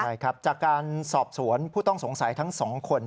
ใช่ครับจากการสอบสวนผู้ต้องสงสัยทั้ง๒คน